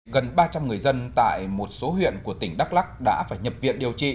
gần ba trăm linh người dân tại một số huyện của tỉnh đắk lắc đã phải nhập viện điều trị